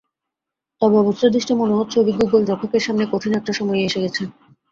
তবে অবস্থাদৃষ্টে মনে হচ্ছে, অভিজ্ঞ গোলরক্ষকের সামনে কঠিন একটা সময়ই এসে গেছে।